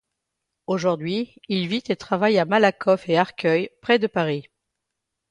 Aujourd'hui il vit et travaille à Malakoff et Arcueil, près de Paris.